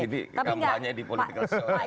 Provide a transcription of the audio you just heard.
tapi enggak pak jokowi ini kan